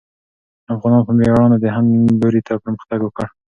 افغانانو په مېړانه د هند لوري ته پرمختګ وکړ.